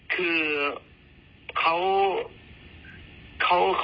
คือเขา